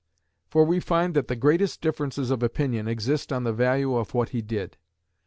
For we find that the greatest differences of opinion exist on the value of what he did.